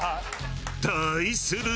対する